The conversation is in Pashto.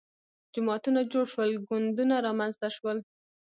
جماعتونه جوړ شول ګوندونه رامنځته شول